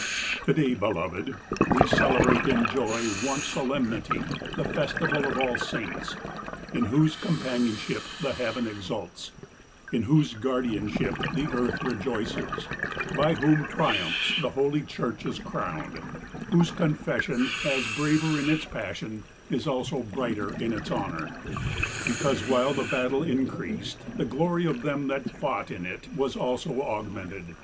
To day, beloved, we celebrate in the joy of one solemnity, the festival of All Saints, in whose companionship the heaven exults ; in whose guar dianship the earth rejoices; by whose triumphs the Holy Church is crowned ; whose confession, as braver in its passion, is also brighter in its honor — because while the battle increased, the glory of them that fought in it was also augmented.